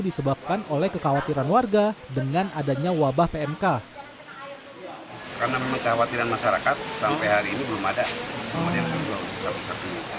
karena memang kekhawatiran masyarakat sampai hari ini belum ada